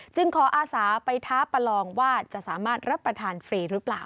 ขออาสาไปท้าประลองว่าจะสามารถรับประทานฟรีหรือเปล่า